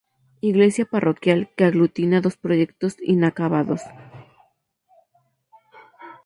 Iglesia parroquial que aglutina dos proyectos inacabados.